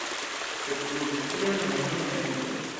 Sed pruvu tion, ne nur meditu!